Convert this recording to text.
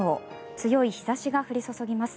強い日差しが降り注ぎます。